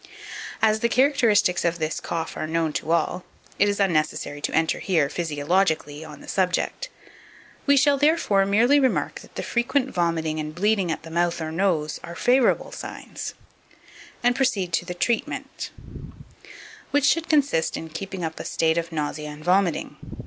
As the characteristics of this cough are known to all, it is unnecessary to enter here, physiologically, on the subject. We shall, therefore, merely remark that the frequent vomiting and bleeding at the mouth or nose are favourable signs, and proceed to the 2566. Treatment, which should consist in keeping up a state of nausea and vomiting.